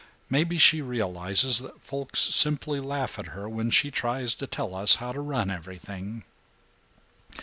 Maybe she realizes that folks simply laugh at her when she tries to tell us how to run everything."